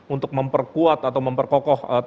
untuk memperkuat atau memperkokoh